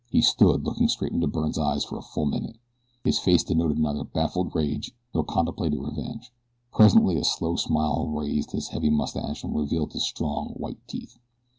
He stood looking straight into Byrne's eyes for a full minute. His face denoted neither baffled rage nor contemplated revenge. Presently a slow smile raised his heavy mustache and revealed his strong, white teeth.